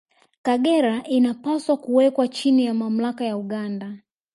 Kagera inapaswa kuwekwa chini ya mamlaka ya Uganda